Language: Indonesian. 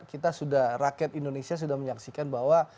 kita sudah rakyat indonesia sudah menyaksikan bahwa